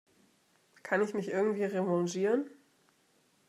Kann ich mich irgendwie revanchieren?